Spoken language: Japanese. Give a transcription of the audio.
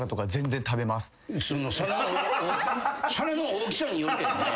皿の大きさによるけどね。